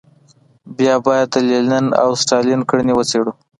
بیا باید د لینین او ستالین کړنې وڅېړو.